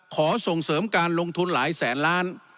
ส่งเสริมการลงทุนหลายแสนล้าน